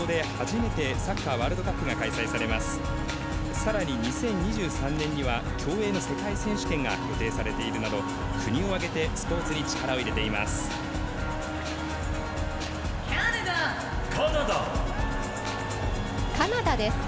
さらに２０２３年には、競泳の世界選手権が予定されているなど国を挙げてカナダです。